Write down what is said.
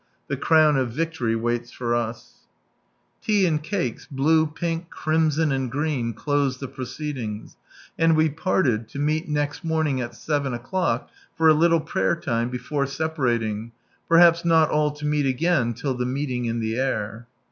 The Ckhvii of Victory ■aiail! for us .'" Tea and cakes, blue, pink, crimson, and green, closed the proceedings, and we parted, to meet next raoming at 7 o'clock for a little prayer time, before separating, perhaps not all to meet again till the Meeting in the Air.